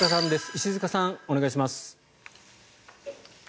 石塚さん、お願いします。